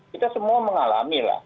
kita semua mengalami lah